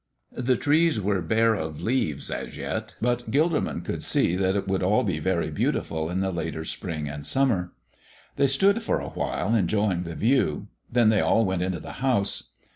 The trees were bare of leaves as yet, but Gilderman could see that it would all be very beautiful in the later spring and summer. They stood for a while enjoying the view. Then they all went into the house.